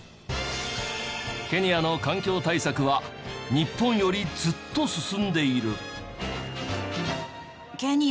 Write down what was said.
ケニアの環境対策は日本よりずっと進んでいる。